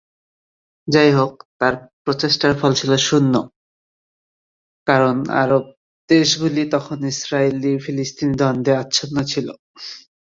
যাই হোক, তার প্রচেষ্টার ফল ছিল শূন্য কারণ আরব দেশ গুলি তখন ইসরাইলি-ফিলিস্তিনি দ্বন্দ্বে আচ্ছন্ন ছিল।